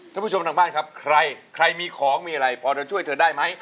ท่านผู้ชมทางบ้านครับใครใครมีของมีอะไรพอจะช่วยเธอได้ไหม